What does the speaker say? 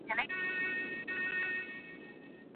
کشکي دوی تلای سوای .